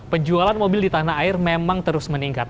penjualan mobil di tanah air memang terus meningkat